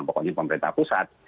pokoknya pemerintah pusat